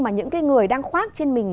mà những cái người đang khoác trên mình